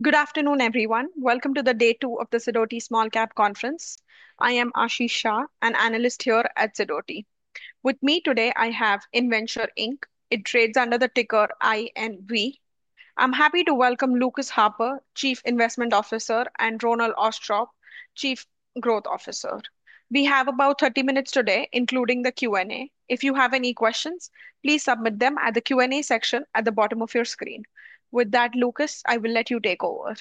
Good afternoon, everyone. Welcome to day two of the Sidoti Small Cap Conference. I am Aashi Shah, an analyst here at Sidoti. With me today, I have Innventure Inc. It trades under the ticker INV. I'm happy to welcome Lucas Harper, Chief Investment Officer, and Roland Austrup, Chief Growth Officer. We have about 30 minutes today, including the Q&A. If you have any questions, please submit them at the Q&A section at the bottom of your screen. With that, Lucas, I will let you take over.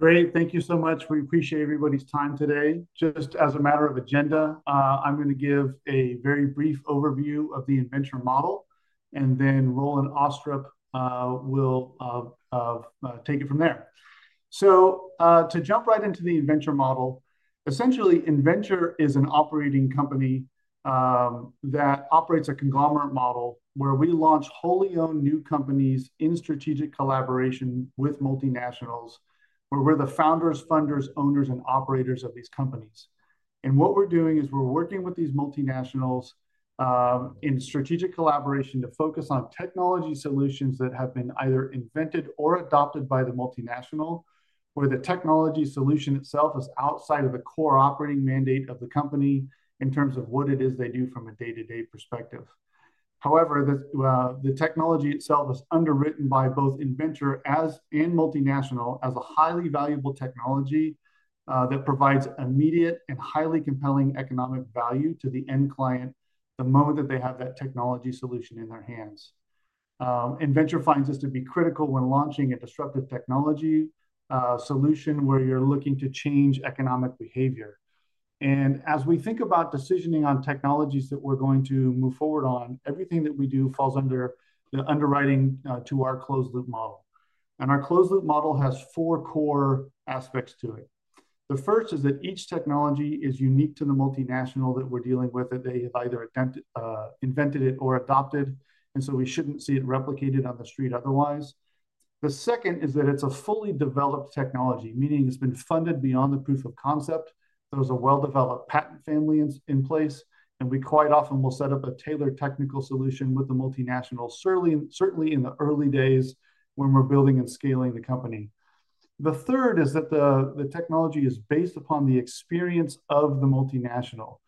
Great. Thank you so much. We appreciate everybody's time today. Just as a matter of agenda, I'm going to give a very brief overview of the Innventure model, and then Roland Austrup will take it from there. To jump right into the Innventure model, essentially, Innventure is an operating company that operates a conglomerate model where we launch wholly owned new companies in strategic collaboration with multinationals, where we're the founders, funders, owners, and operators of these companies. What we're doing is we're working with these multinationals in strategic collaboration to focus on technology solutions that have been either invented or adopted by the multinational, where the technology solution itself is outside of the core operating mandate of the company in terms of what it is they do from a day-to-day perspective. However, the technology itself is underwritten by both Innventure and multinational as a highly valuable technology that provides immediate and highly compelling economic value to the end client the moment that they have that technology solution in their hands. Innventure finds this to be critical when launching a disruptive technology solution where you're looking to change economic behavior. As we think about decisioning on technologies that we're going to move forward on, everything that we do falls under the underwriting to our Closed Loop Model. Our Closed Loop Model has four core aspects to it. The first is that each technology is unique to the multinational that we're dealing with. They have either invented it or adopted it, and we shouldn't see it replicated on the street otherwise. The second is that it's a fully developed technology, meaning it's been funded beyond the proof of concept. There's a well-developed patent family in place, and we quite often will set up a tailored technical solution with the multinational, certainly in the early days when we're building and scaling the company. The third is that the technology is based upon the experience of the multinational.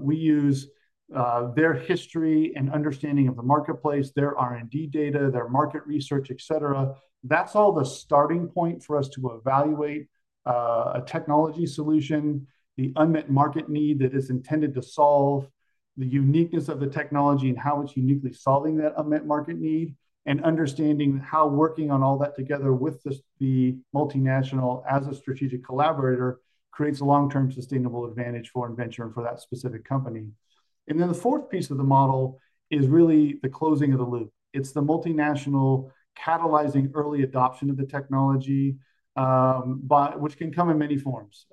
We use their history and understanding of the marketplace, their R&D data, their market research, et cetera. That's all the starting point for us to evaluate a technology solution, the unmet market need that is intended to solve, the uniqueness of the technology, and how it's uniquely solving that unmet market need, and understanding how working on all that together with the multinational as a strategic collaborator creates a long-term sustainable advantage for Innventure and for that specific company. The fourth piece of the model is really the closing of the loop. It's the multinational catalyzing early adoption of the technology, which can come in many forms: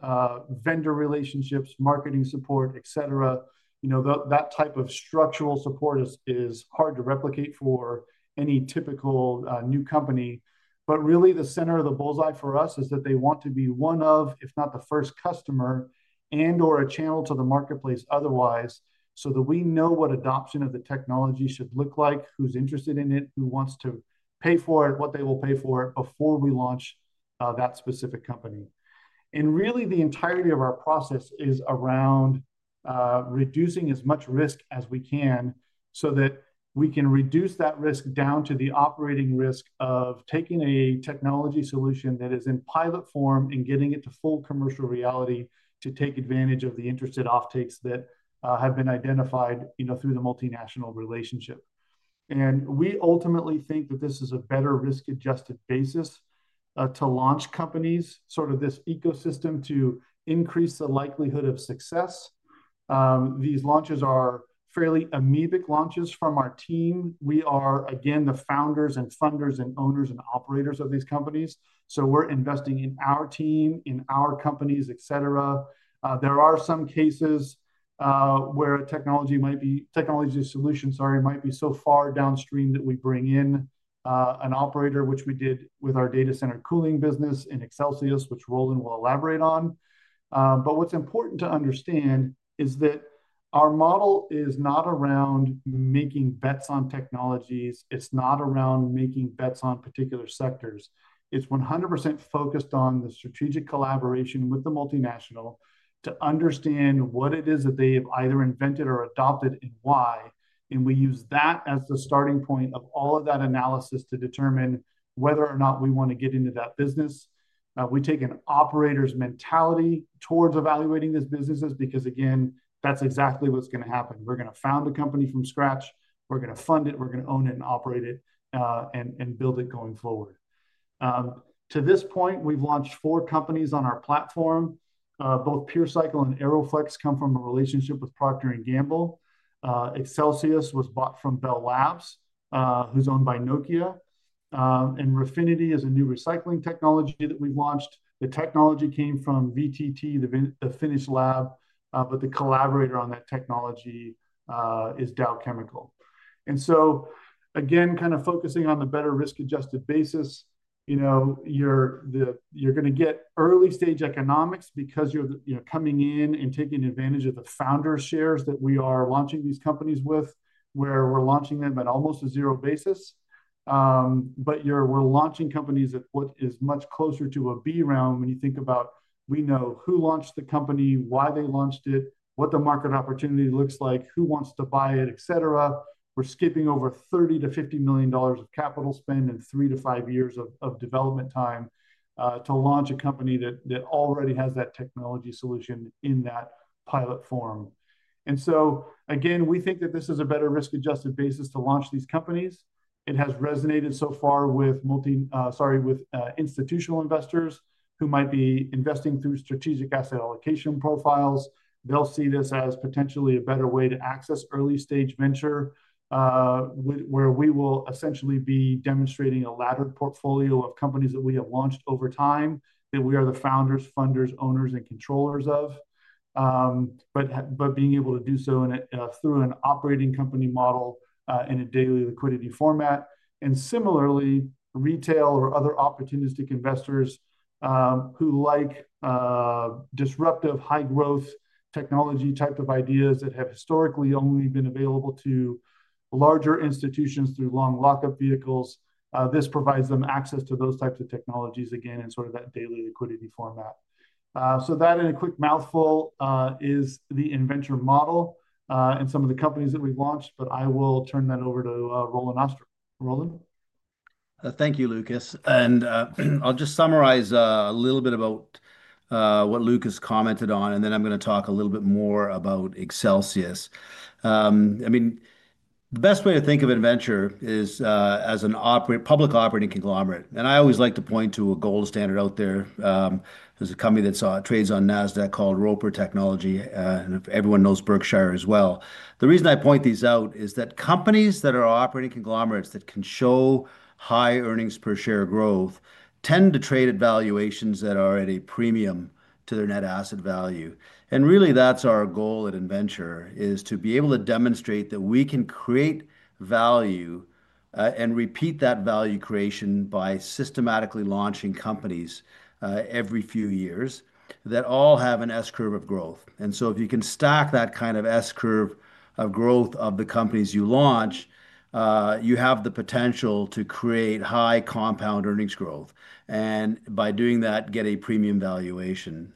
vendor relationships, marketing support, et cetera. That type of structural support is hard to replicate for any typical new company. Really, the center of the bullseye for us is that they want to be one of, if not the first customer, and/or a channel to the marketplace otherwise, so that we know what adoption of the technology should look like, who's interested in it, who wants to pay for it, what they will pay for it before we launch that specific company. Really, the entirety of our process is around reducing as much risk as we can so that we can reduce that risk down to the operating risk of taking a technology solution that is in pilot form and getting it to full commercial reality to take advantage of the interested offtakes that have been identified through the multinational relationship. We ultimately think that this is a better risk-adjusted basis to launch companies, sort of this ecosystem to increase the likelihood of success. These launches are fairly amoebic launches from our team. We are, again, the founders and funders and owners and operators of these companies. We are investing in our team, in our companies, et cetera. There are some cases where a technology solution, sorry, might be so far downstream that we bring in an operator, which we did with our data center cooling business in Accelsius, which Roland will elaborate on. What is important to understand is that our model is not around making bets on technologies. It is not around making bets on particular sectors. It is 100% focused on the strategic collaboration with the multinational to understand what it is that they have either invented or adopted and why. We use that as the starting point of all of that analysis to determine whether or not we want to get into that business. We take an operator's mentality towards evaluating these businesses because, again, that is exactly what is going to happen. We are going to found a company from scratch. We are going to fund it. We're going to own it and operate it and build it going forward. To this point, we've launched four companies on our platform. Both PureCycle and AeroFlexx come from a relationship with Procter & Gamble. Accelsius was bought from Bell Labs, who's owned by Nokia. Refinity is a new recycling technology that we've launched. The technology came from VTT, the Finnish lab, but the collaborator on that technology is Dow Chemical. Again, kind of focusing on the better risk-adjusted basis, you're going to get early-stage economics because you're coming in and taking advantage of the founder shares that we are launching these companies with, where we're launching them at almost a zero basis. We're launching companies at what is much closer to a B round when you think about we know who launched the company, why they launched it, what the market opportunity looks like, who wants to buy it, et cetera. We're skipping over $30-$50 million of capital spend and three to five years of development time to launch a company that already has that technology solution in that pilot form. Again, we think that this is a better risk-adjusted basis to launch these companies. It has resonated so far with institutional investors who might be investing through strategic asset allocation profiles. They'll see this as potentially a better way to access early-stage venture, where we will essentially be demonstrating a laddered portfolio of companies that we have launched over time that we are the founders, funders, owners, and controllers of, but being able to do so through an operating company model in a daily liquidity format. Similarly, retail or other opportunistic investors who like disruptive high-growth technology type of ideas that have historically only been available to larger institutions through long lockup vehicles, this provides them access to those types of technologies, again, in sort of that daily liquidity format. That, in a quick mouthful, is the Innventure model and some of the companies that we've launched, but I will turn that over to Roland Austrup. Roland. Thank you, Lucas. I'll just summarize a little bit about what Lucas commented on, and then I'm going to talk a little bit more about Accelsius. I mean, the best way to think of Innventure is as a public operating conglomerate. I always like to point to a gold standard out there. There's a company that trades on NASDAQ called Roper Technologies, and everyone knows Berkshire as well. The reason I point these out is that companies that are operating conglomerates that can show high earnings per share growth tend to trade at valuations that are at a premium to their net asset value. Really, that's our goal at Innventure, to be able to demonstrate that we can create value and repeat that value creation by systematically launching companies every few years that all have an S-curve of growth. If you can stack that kind of S-curve of growth of the companies you launch, you have the potential to create high compound earnings growth and, by doing that, get a premium valuation.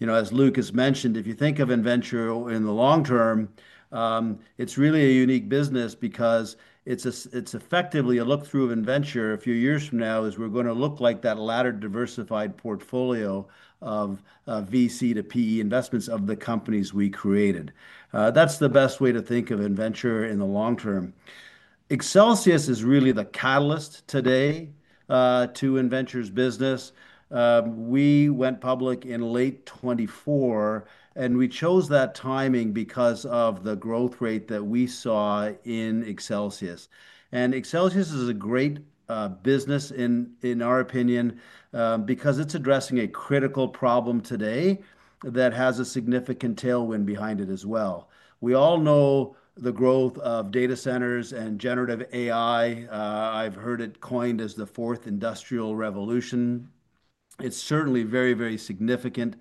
As Lucas mentioned, if you think of Innventure in the long term, it is really a unique business because it is effectively a look-through of Innventure a few years from now as we are going to look like that laddered diversified portfolio of VC to PE investments of the companies we created. That is the best way to think of Innventure in the long term. Accelsius is really the catalyst today to Innventure's business. We went public in late 2024, and we chose that timing because of the growth rate that we saw in Accelsius. Accelsius is a great business, in our opinion, because it's addressing a critical problem today that has a significant tailwind behind it as well. We all know the growth of data centers and generative AI. I've heard it coined as the fourth industrial revolution. It's certainly a very, very significant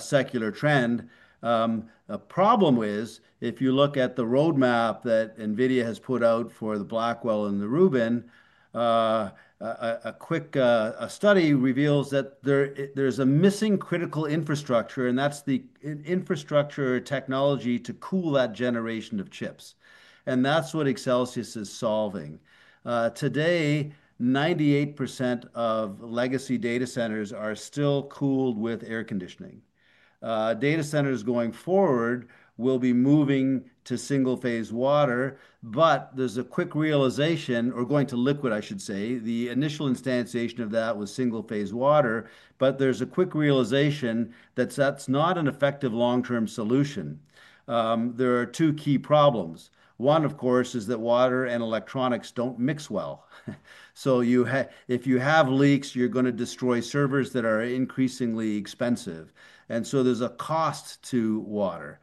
secular trend. The problem is, if you look at the roadmap that NVIDIA has put out for the Blackwell and the Rubin, a quick study reveals that there's a missing critical infrastructure, and that's the infrastructure technology to cool that generation of chips. That's what Accelsius is solving. Today, 98% of legacy data centers are still cooled with air conditioning. Data centers going forward will be moving to single-phase water, but there's a quick realization or going to liquid, I should say. The initial instantiation of that was single-phase water, but there's a quick realization that that's not an effective long-term solution. There are two key problems. One, of course, is that water and electronics don't mix well. If you have leaks, you're going to destroy servers that are increasingly expensive. There's a cost to water.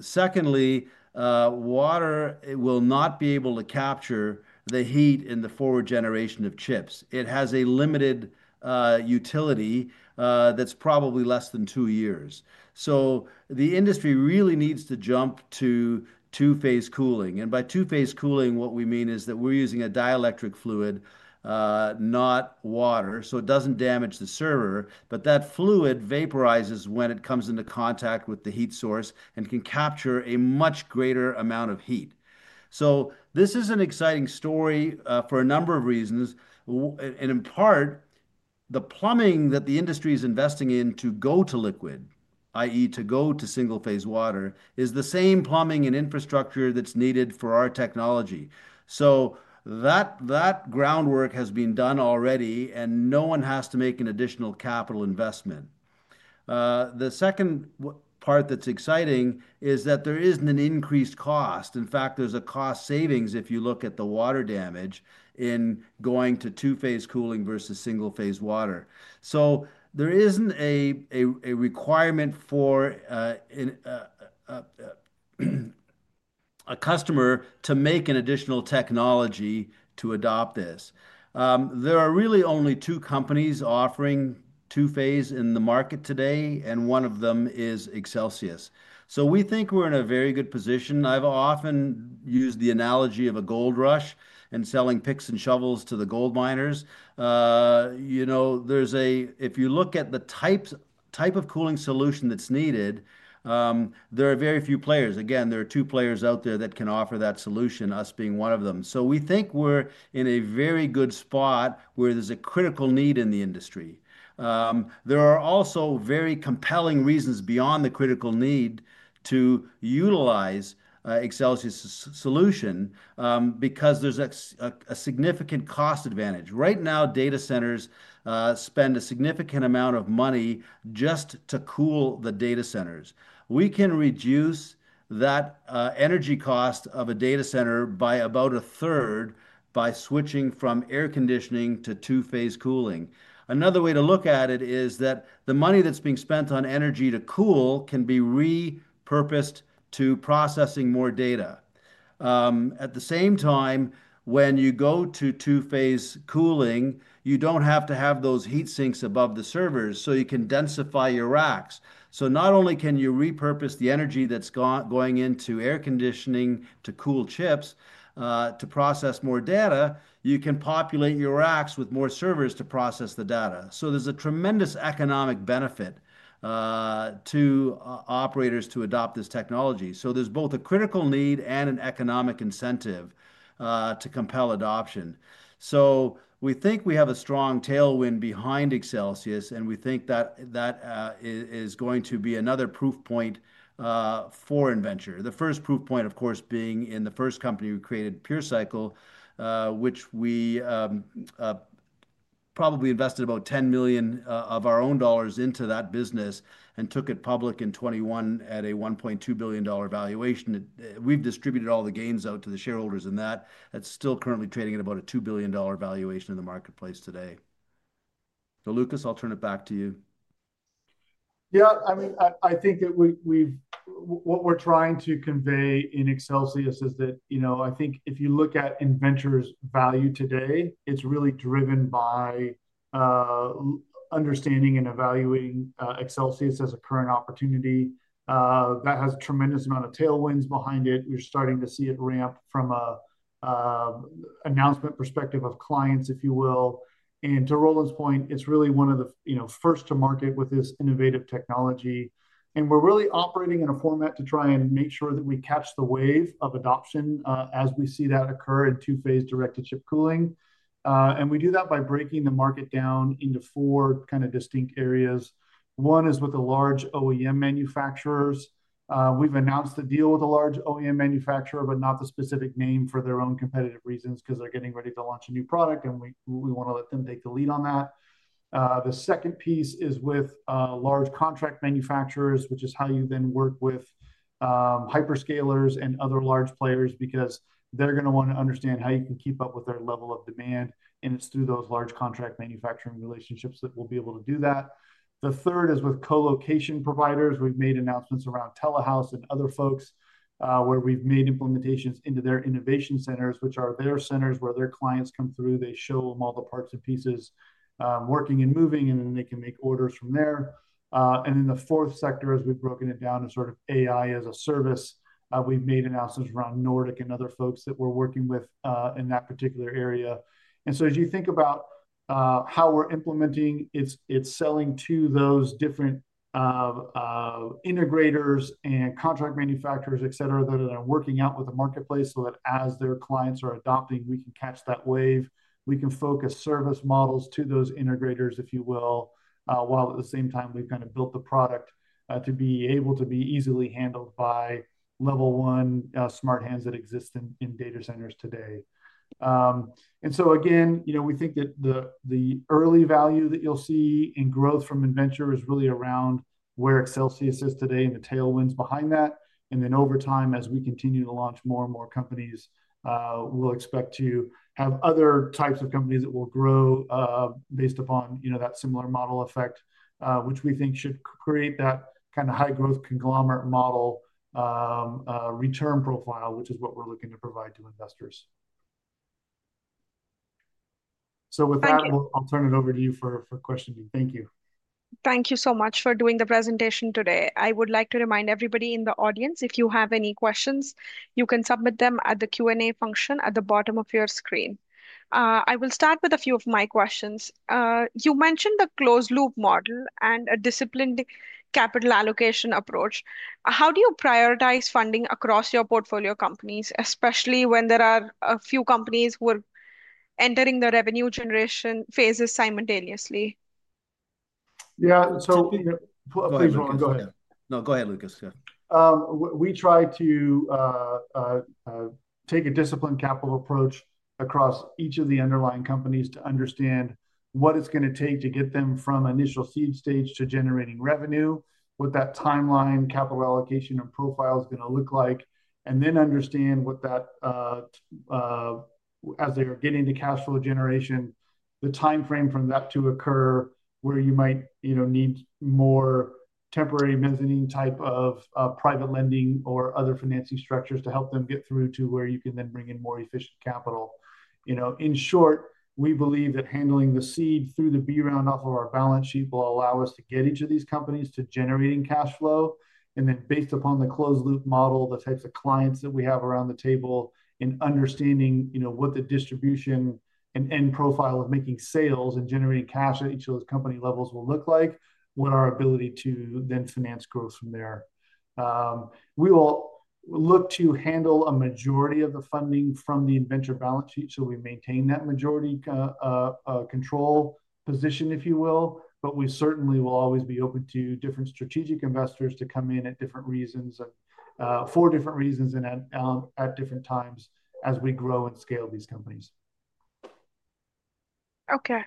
Secondly, water will not be able to capture the heat in the forward generation of chips. It has a limited utility that's probably less than two years. The industry really needs to jump to two-phase cooling. By two-phase cooling, what we mean is that we're using a dielectric fluid, not water, so it doesn't damage the server, but that fluid vaporizes when it comes into contact with the heat source and can capture a much greater amount of heat. This is an exciting story for a number of reasons. In part, the plumbing that the industry is investing in to go to liquid, i.e., to go to single-phase water, is the same plumbing and infrastructure that's needed for our technology. That groundwork has been done already, and no one has to make an additional capital investment. The second part that's exciting is that there isn't an increased cost. In fact, there's a cost savings if you look at the water damage in going to two-phase cooling versus single-phase water. There isn't a requirement for a customer to make an additional technology to adopt this. There are really only two companies offering two-phase in the market today, and one of them is Accelsius. We think we're in a very good position. I've often used the analogy of a gold rush and selling picks and shovels to the gold miners. If you look at the type of cooling solution that's needed, there are very few players. Again, there are two players out there that can offer that solution, us being one of them. We think we're in a very good spot where there's a critical need in the industry. There are also very compelling reasons beyond the critical need to utilize Accelsius' solution because there's a significant cost advantage. Right now, data centers spend a significant amount of money just to cool the data centers. We can reduce that energy cost of a data center by about a third by switching from air conditioning to two-phase cooling. Another way to look at it is that the money that's being spent on energy to cool can be repurposed to processing more data. At the same time, when you go to two-phase cooling, you do not have to have those heat sinks above the servers, so you can densify your racks. Not only can you repurpose the energy that is going into air conditioning to cool chips to process more data, you can populate your racks with more servers to process the data. There is a tremendous economic benefit to operators to adopt this technology. There is both a critical need and an economic incentive to compel adoption. We think we have a strong tailwind behind Accelsius, and we think that is going to be another proof point for Innventure. The first proof point, of course, being in the first company we created, PureCycle, which we probably invested about $10 million of our own dollars into that business and took it public in 2021 at a $1.2 billion valuation. We've distributed all the gains out to the shareholders in that. That's still currently trading at about a $2 billion valuation in the marketplace today. Lucas, I'll turn it back to you. Yeah. I mean, I think what we're trying to convey in Accelsius is that I think if you look at Innventure's value today, it's really driven by understanding and evaluating Accelsius as a current opportunity. That has a tremendous amount of tailwinds behind it. We're starting to see it ramp from an announcement perspective of clients, if you will. To Roland's point, it's really one of the first to market with this innovative technology. We're really operating in a format to try and make sure that we catch the wave of adoption as we see that occur in two-phase directed chip cooling. We do that by breaking the market down into four kind of distinct areas. One is with the large OEM manufacturers. We've announced a deal with a large OEM manufacturer, but not the specific name for their own competitive reasons because they're getting ready to launch a new product, and we want to let them take the lead on that. The second piece is with large contract manufacturers, which is how you then work with hyperscalers and other large players because they're going to want to understand how you can keep up with their level of demand. It's through those large contract manufacturing relationships that we'll be able to do that. The third is with colocation providers. We've made announcements around Telehouse and other folks where we've made implementations into their innovation centers, which are their centers where their clients come through. They show them all the parts and pieces working and moving, and then they can make orders from there. The fourth sector, as we've broken it down, is sort of AI as a service. We've made announcements around Nordic and other folks that we're working with in that particular area. As you think about how we're implementing, it's selling to those different integrators and contract manufacturers, et cetera, that are working out with the marketplace so that as their clients are adopting, we can catch that wave. We can focus service models to those integrators, if you will, while at the same time we've kind of built the product to be able to be easily handled by level one smart hands that exist in data centers today. Again, we think that the early value that you'll see in growth from Innventure is really around where Accelsius is today and the tailwinds behind that. Over time, as we continue to launch more and more companies, we will expect to have other types of companies that will grow based upon that similar model effect, which we think should create that kind of high-growth conglomerate model return profile, which is what we are looking to provide to investors. With that, I will turn it over to you for questioning. Thank you. Thank you so much for doing the presentation today. I would like to remind everybody in the audience, if you have any questions, you can submit them at the Q&A function at the bottom of your screen. I will start with a few of my questions. You mentioned the Closed Loop Model and a disciplined capital allocation approach. How do you prioritize funding across your portfolio companies, especially when there are a few companies who are entering the revenue generation phases simultaneously? Yeah. Please, Roland, go ahead. No, go ahead, Lucas. We try to take a disciplined capital approach across each of the underlying companies to understand what it's going to take to get them from initial seed stage to generating revenue, what that timeline, capital allocation, and profile is going to look like, and then understand what that, as they are getting to cash flow generation, the timeframe from that to occur where you might need more temporary mezzanine type of private lending or other financing structures to help them get through to where you can then bring in more efficient capital. In short, we believe that handling the seed through the B-round off of our balance sheet will allow us to get each of these companies to generating cash flow. Based upon the closed-loop model, the types of clients that we have around the table and understanding what the distribution and profile of making sales and generating cash at each of those company levels will look like, what our ability to then finance growth from there. We will look to handle a majority of the funding from the Innventure balance sheet, so we maintain that majority control position, if you will, but we certainly will always be open to different strategic investors to come in at different reasons and for different reasons and at different times as we grow and scale these companies. Okay.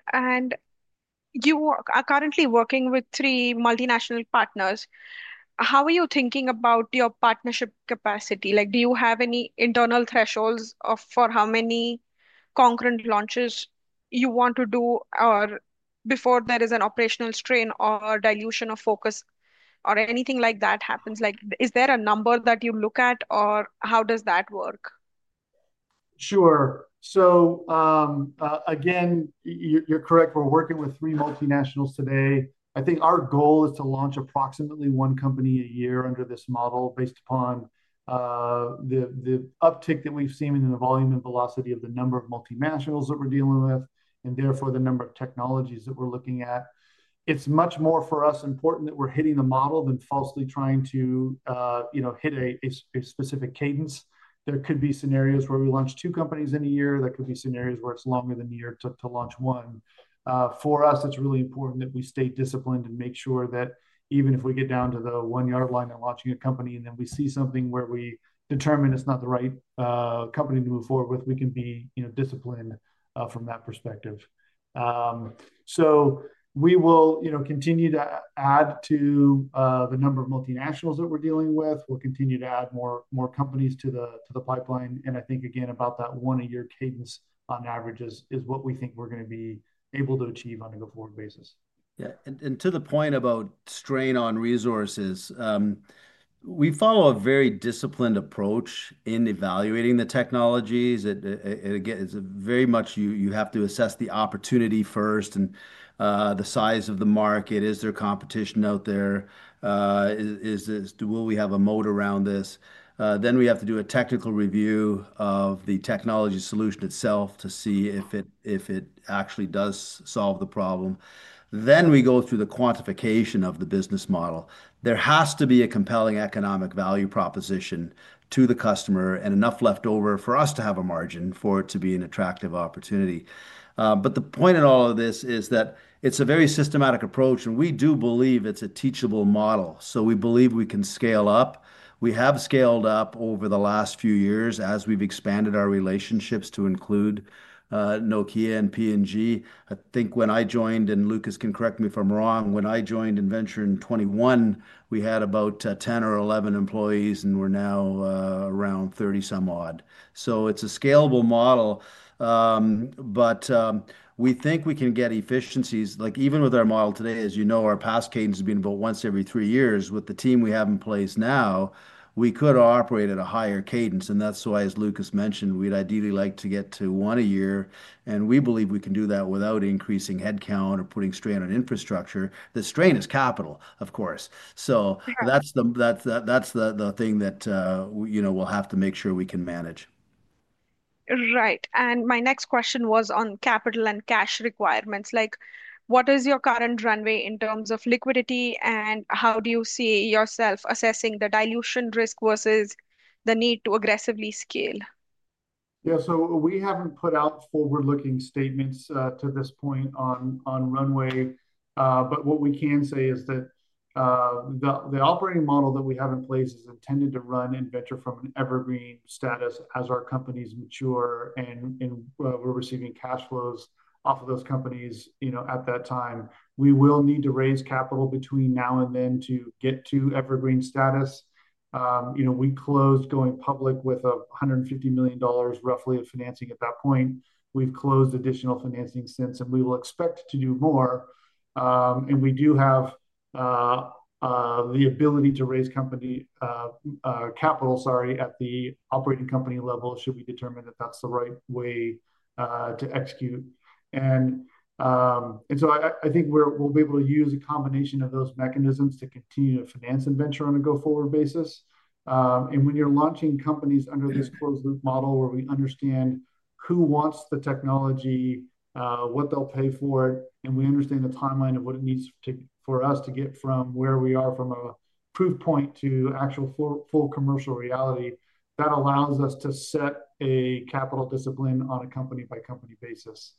You are currently working with three multinational partners. How are you thinking about your partnership capacity? Do you have any internal thresholds for how many concurrent launches you want to do before there is an operational strain or dilution of focus or anything like that happens? Is there a number that you look at, or how does that work? Sure. Again, you're correct. We're working with three multinationals today. I think our goal is to launch approximately one company a year under this model based upon the uptick that we've seen in the volume and velocity of the number of multinationals that we're dealing with and therefore the number of technologies that we're looking at. It's much more for us important that we're hitting the model than falsely trying to hit a specific cadence. There could be scenarios where we launch two companies in a year. There could be scenarios where it's longer than a year to launch one. For us, it's really important that we stay disciplined and make sure that even if we get down to the one-yard line in launching a company and then we see something where we determine it's not the right company to move forward with, we can be disciplined from that perspective. We will continue to add to the number of multinationals that we're dealing with. We'll continue to add more companies to the pipeline. I think, again, about that one-a-year cadence on average is what we think we're going to be able to achieve on a go forward basis. Yeah. To the point about strain on resources, we follow a very disciplined approach in evaluating the technologies. It's very much you have to assess the opportunity first and the size of the market. Is there competition out there? Will we have a moat around this? We have to do a technical review of the technology solution itself to see if it actually does solve the problem. We go through the quantification of the business model. There has to be a compelling economic value proposition to the customer and enough left over for us to have a margin for it to be an attractive opportunity. The point in all of this is that it's a very systematic approach, and we do believe it's a teachable model. We believe we can scale up. We have scaled up over the last few years as we've expanded our relationships to include Nokia and P&G. I think when I joined, and Lucas can correct me if I'm wrong, when I joined Innventure in 2021, we had about 10 or 11 employees, and we're now around 30-some odd. It is a scalable model, but we think we can get efficiencies. Even with our model today, as you know, our past cadence has been about once every three years. With the team we have in place now, we could operate at a higher cadence. That is why, as Lucas mentioned, we'd ideally like to get to one a year. We believe we can do that without increasing headcount or putting strain on infrastructure. The strain is capital, of course. That is the thing that we'll have to make sure we can manage. Right. My next question was on capital and cash requirements. What is your current runway in terms of liquidity, and how do you see yourself assessing the dilution risk versus the need to aggressively scale? Yeah. We have not put out forward-looking statements to this point on runway, but what we can say is that the operating model that we have in place is intended to run Innventure from an evergreen status as our companies mature and we are receiving cash flows off of those companies at that time. We will need to raise capital between now and then to get to evergreen status. We closed going public with $150 million, roughly, of financing at that point. We have closed additional financing since, and we will expect to do more. We do have the ability to raise capital, sorry, at the operating company level should we determine that is the right way to execute. I think we will be able to use a combination of those mechanisms to continue to finance Innventure on a go forward basis. When you're launching companies under this closed-loop model where we understand who wants the technology, what they'll pay for it, and we understand the timeline of what it needs for us to get from where we are from a proof point to actual full commercial reality, that allows us to set a capital discipline on a company-by-company basis.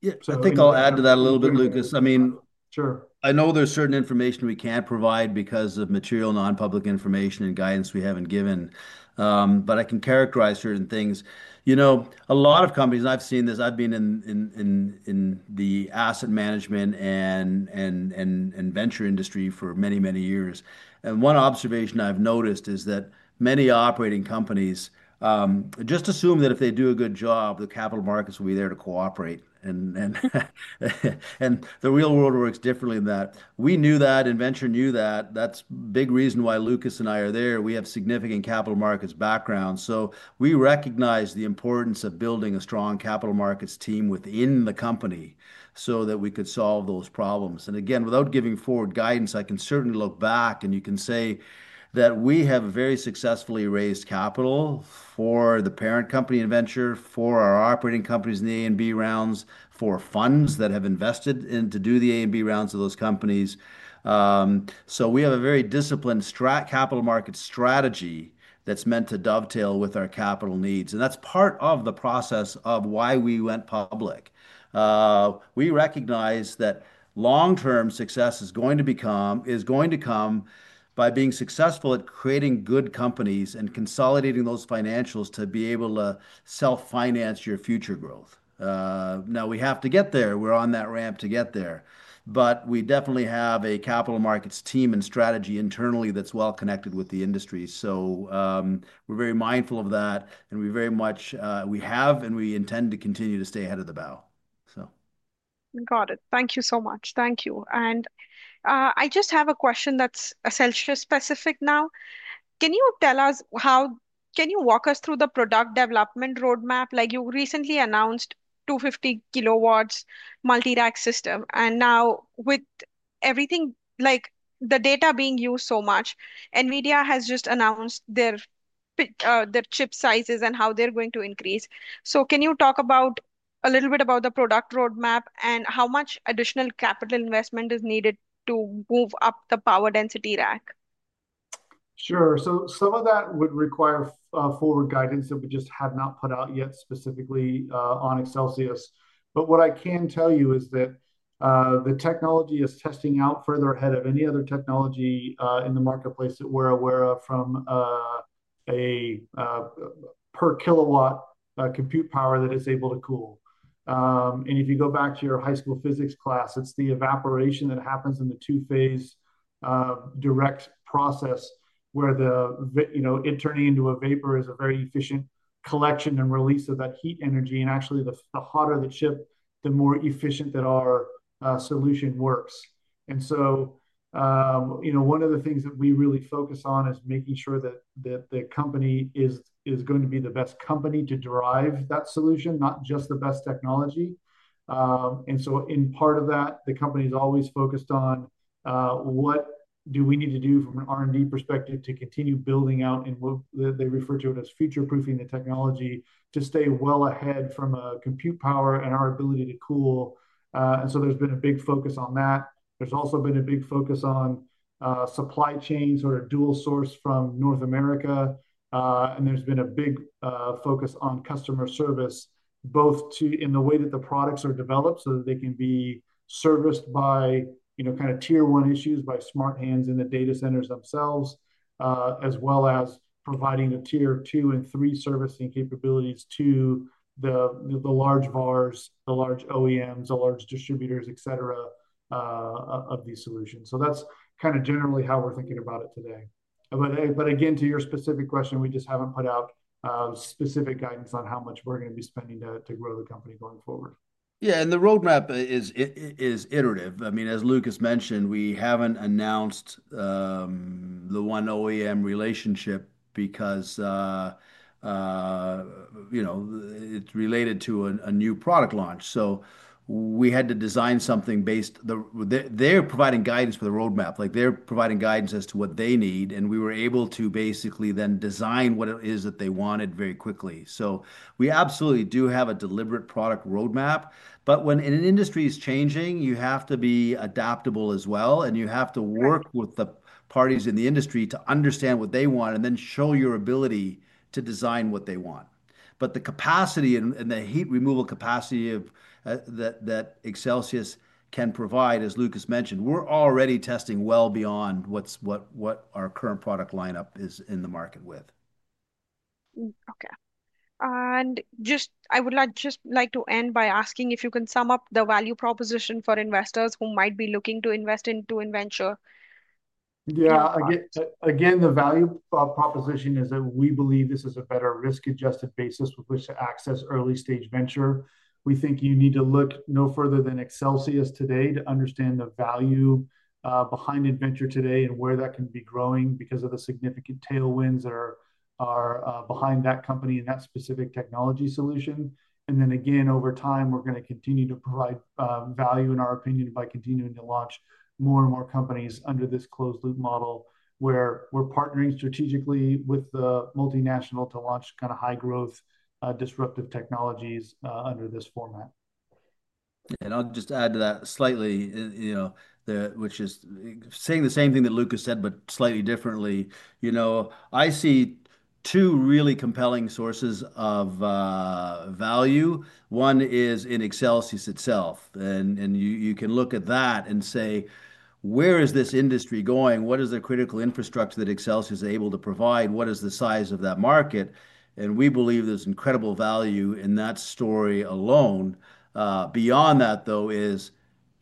Yeah. I think I'll add to that a little bit, Lucas. I mean, I know there's certain information we can't provide because of material non-public information and guidance we haven't given, but I can characterize certain things. A lot of companies, and I've seen this. I've been in the asset management and venture industry for many, many years. One observation I've noticed is that many operating companies just assume that if they do a good job, the capital markets will be there to cooperate. The real world works differently than that. We knew that. Innventure knew that. That's a big reason why Lucas and I are there. We have significant capital markets background. We recognize the importance of building a strong capital markets team within the company so that we could solve those problems. Again, without giving forward guidance, I can certainly look back, and you can say that we have very successfully raised capital for the parent company Innventure, for our operating companies in the A and B rounds, for funds that have invested in to do the AB rounds of those companies. We have a very disciplined capital market strategy that's meant to dovetail with our capital needs. That is part of the process of why we went public. We recognize that long-term success is going to come by being successful at creating good companies and consolidating those financials to be able to self-finance your future growth. Now, we have to get there. We're on that ramp to get there. We definitely have a capital markets team and strategy internally that's well connected with the industry. We're very mindful of that, and we very much have, and we intend to continue to stay ahead of the bow. Got it. Thank you so much. Thank you. I just have a question that's Accelsius-specific now. Can you tell us, can you walk us through the product development roadmap? You recently announced the 250 kW multi-rack system. Now, with everything, the data being used so much, NVIDIA has just announced their chip sizes and how they're going to increase. Can you talk a little bit about the product roadmap and how much additional capital investment is needed to move up the power density rack? Sure. Some of that would require forward guidance that we just have not put out yet specifically on Accelsius. What I can tell you is that the technology is testing out further ahead of any other technology in the marketplace that we are aware of from a per-kilowatt compute power that is able to cool. If you go back to your high school physics class, it is the evaporation that happens in the two-phase direct process where it turning into a vapor is a very efficient collection and release of that heat energy. Actually, the hotter the chip, the more efficient that our solution works. One of the things that we really focus on is making sure that the company is going to be the best company to drive that solution, not just the best technology. In part of that, the company is always focused on what do we need to do from an R&D perspective to continue building out, and they refer to it as future-proofing the technology to stay well ahead from compute power and our ability to cool. There has been a big focus on that. There has also been a big focus on supply chain, sort of dual source from North America. There has been a big focus on customer service, both in the way that the products are developed so that they can be serviced by kind of tier-one issues by smart hands in the data centers themselves, as well as providing the tier-two and three servicing capabilities to the large VARs, the large OEMs, the large distributors, etc., of these solutions. That is kind of generally how we are thinking about it today. Again, to your specific question, we just haven't put out specific guidance on how much we're going to be spending to grow the company going forward. Yeah. The roadmap is iterative. I mean, as Lucas mentioned, we haven't announced the one OEM relationship because it's related to a new product launch. We had to design something based on their providing guidance for the roadmap. They're providing guidance as to what they need, and we were able to basically then design what it is that they wanted very quickly. We absolutely do have a deliberate product roadmap. When an industry is changing, you have to be adaptable as well, and you have to work with the parties in the industry to understand what they want and then show your ability to design what they want. The capacity and the heat removal capacity that Accelsius can provide, as Lucas mentioned, we're already testing well beyond what our current product lineup is in the market with. Okay. I would just like to end by asking if you can sum up the value proposition for investors who might be looking to invest into Innventure. Yeah. Again, the value proposition is that we believe this is a better risk-adjusted basis with which to access early-stage venture. We think you need to look no further than Accelsius today to understand the value behind Innventure today and where that can be growing because of the significant tailwinds that are behind that company and that specific technology solution. Over time, we're going to continue to provide value, in our opinion, by continuing to launch more and more companies under this closed-loop model where we're partnering strategically with the multinational to launch kind of high-growth disruptive technologies under this format. I'll just add to that slightly, which is saying the same thing that Lucas said, but slightly differently. I see two really compelling sources of value. One is in Accelsius itself. You can look at that and say, "Where is this industry going? What is the critical infrastructure that Accelsius is able to provide? What is the size of that market?" We believe there's incredible value in that story alone. Beyond that, though, is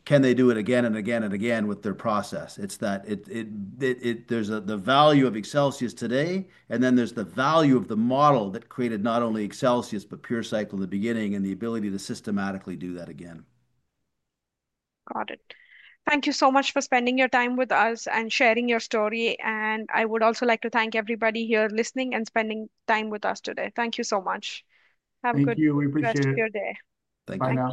can they do it again and again and again with their process? It's that there's the value of Accelsius today, and then there's the value of the model that created not only Accelsius, but PureCycle in the beginning and the ability to systematically do that again. Got it. Thank you so much for spending your time with us and sharing your story. I would also like to thank everybody here listening and spending time with us today. Thank you so much. Have a good rest of your day. Thank you.